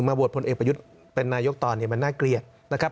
โหวตพลเอกประยุทธ์เป็นนายกตอนนี้มันน่าเกลียดนะครับ